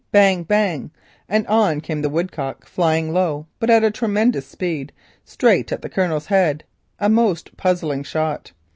Bang! bang! and on came the woodcock, now flying low, but at tremendous speed, straight at the Colonel's head, a most puzzling shot.